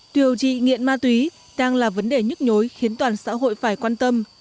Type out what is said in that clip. điều trị nghiện ma túy đang là vấn đề nhức nhối khiến toàn xã hội phải quan tâm